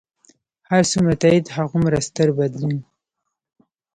هر څومره تایید، هغومره ستر بدلون.